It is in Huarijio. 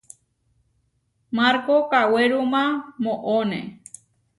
Markó kawéruma moʼoné.